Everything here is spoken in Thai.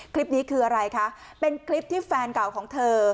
คลิปนี้คืออะไรคะเป็นคลิปที่แฟนเก่าของเธอ